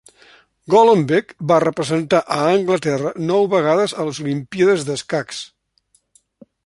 Golombek va representar a Anglaterra nou vegades a les olimpíades d'escacs.